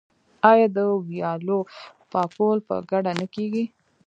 آیا د ویالو پاکول په ګډه نه کیږي؟